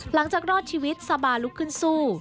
หลังจากรอดชีวิตซาบาลุกขึ้นสู้